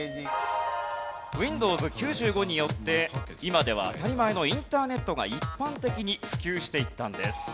Ｗｉｎｄｏｗｓ９５によって今では当たり前のインターネットが一般的に普及していったんです。